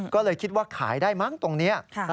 ก็เลยคิดว่าขายได้มั้งตรงนี้